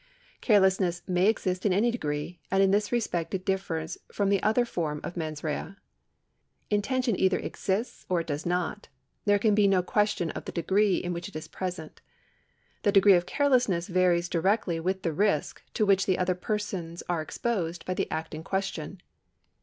^ Carelessness may exist in any degree, and in this respect it differs from the other form of mens rea. Intention either exists or it does not ; there can be no question of the degree in which it is present. The degree of carelessness varies directly with the risk to which other persons are exposed by the act in question.